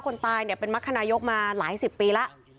คนตายเป็นมักขนายกมาหลายสิบปีแล้ว